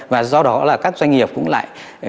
và do đó là các doanh nghiệp cũng lại